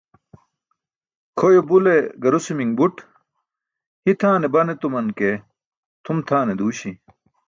Kʰoyo bule garusumi̇ṅ buṭ, hitʰaane ban etuman ke tʰum tʰane duuśi̇.